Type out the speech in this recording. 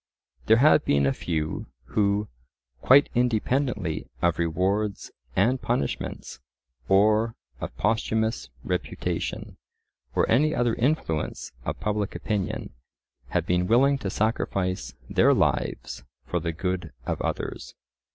There have been a few, who, quite independently of rewards and punishments or of posthumous reputation, or any other influence of public opinion, have been willing to sacrifice their lives for the good of others.